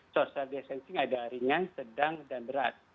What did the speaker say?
social distancing ada ringan sedang dan berat